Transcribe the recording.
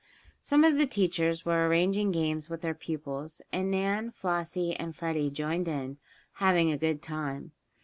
Some of the teachers were arranging games with their pupils, and Nan, Flossie and Freddie joined in, having a good time.